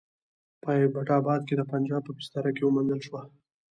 په ایبټ اباد کې د پنجاب په بستره کې وموندل شوه.